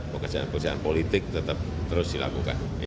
pekerjaan pekerjaan politik tetap terus dilakukan